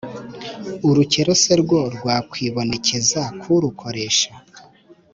Urukero se rwo, rwakwibonekeza ku urukeresha ?